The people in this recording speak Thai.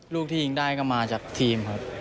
ลูกที่ยิงได้ก็มาจากทีมครับ